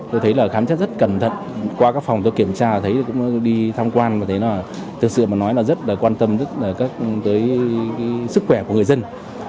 tôi thấy là khám xét rất cẩn thận qua các phòng tôi kiểm tra thấy tôi cũng đi tham quan và thấy là thực sự mà nói là rất là quan tâm rất là tới sức khỏe của người dân